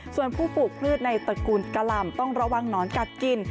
ส่วนผู้ปลูกพืชในตระกูลกะหล่ำต้องระวังหนอนกัดกิน